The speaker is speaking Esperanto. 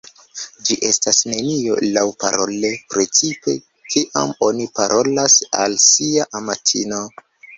Ĝi estas nenio laŭparole, precipe kiam oni parolas al sia amatino.